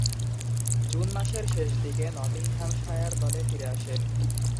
June মাসের শেষদিকে Nottinghamshire দলে ফিরে আসেন।